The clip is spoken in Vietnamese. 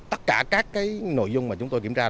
tất cả các nội dung mà chúng tôi kiểm tra